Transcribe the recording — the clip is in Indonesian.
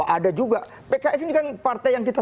ada juga pks ini kan partai yang kita